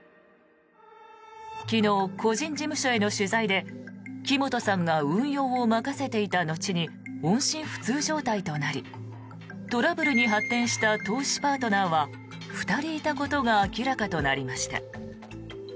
昨日、個人事務所への取材で木本さんが運用を任せていた後に音信不通状態となりトラブルに発展した投資パートナーは２人いたことが明らかとなりました。